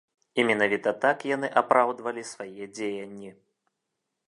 І менавіта так яны апраўдвалі свае дзеянні.